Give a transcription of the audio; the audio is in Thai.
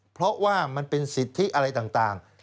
เพราะว่ามันเป็นสิทธิอะไรต่าง